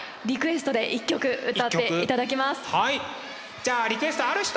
じゃあリクエストある人？